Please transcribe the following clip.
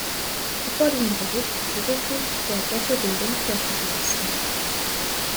Der vorliegende Bericht wird lediglich der Ghettobildung Vorschub leisten.